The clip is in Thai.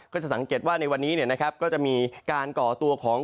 ก็จะสังเกตว่าในวันนี้ก็จะมีการก่อตัวของ